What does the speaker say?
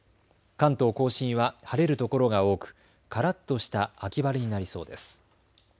関東甲信は晴れるところが多くからっとした秋晴れになりそうです。